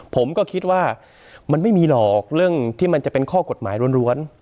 ผมก็คิดว่ามันไม่มีหรอกเรื่องที่มันจะเป็นข้อกฎหมายล้วน